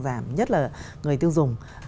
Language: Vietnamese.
giảm nhất là người tiêu dùng